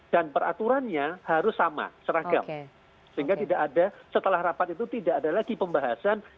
dan peraturannya harus sama seragam sehingga tidak ada setelah rapat itu tidak ada lagi pembahasan